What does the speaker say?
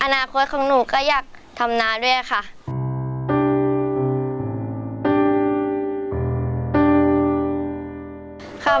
อนาคตของหนูก็อยากทำนาด้วยค่ะ